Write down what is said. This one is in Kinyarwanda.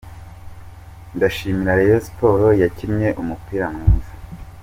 Ndashimira Rayon Sport yakinnye umupira mwiza.